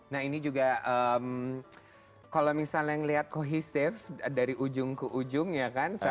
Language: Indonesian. nah ini juga kalau misalnya ngelihat kohesive dari ujung ke ujung ya kan